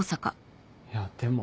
いやでも。